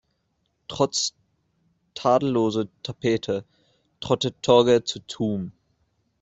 Trotz tadelloser Tapete trottet Torge zu Toom.